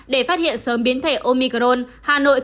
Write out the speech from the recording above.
để phát hiện sớm biến thể omicron